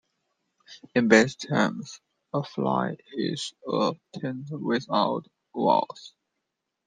In basic terms, a fly is a tent without walls.